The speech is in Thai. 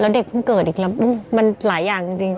เด็กเพิ่งเกิดอีกแล้วมันหลายอย่างจริง